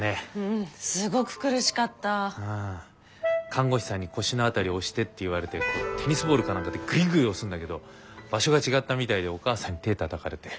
看護師さんに「腰の辺り押して」って言われてテニスボールか何かでグイグイ押すんだけど場所が違ったみたいでお母さんに手たたかれて。